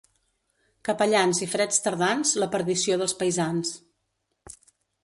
Capellans i freds tardans, la perdició dels paisans.